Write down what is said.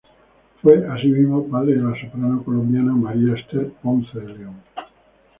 Fue, asimismo, padre de la soprano colombiana María Ester Ponce de León.